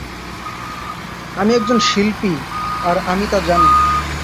আমি একজন শিল্পী, আর আমি তা জানি।